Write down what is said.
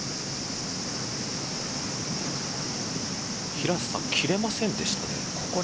平瀬さん切れませんでしたね。